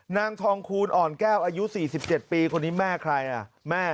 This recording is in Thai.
นางทองคูณอ่อนแก้วอายุ๔๗ปีคนนี้แม่ใครอ่ะแม่